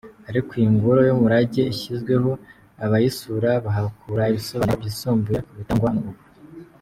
Ariko iyi ngoro y’umurage ishyizweho, abayisura bahakura ibisobanuro byisumbuye ku bitangwa ubu.